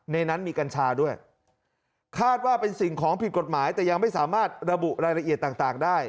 ในนั้นมีกัญชาด้วยคาดว่าเป็นสิ่งของผิดกฎหมายแต่ยังไม่สามารถระบุรายละเอียดต่างได้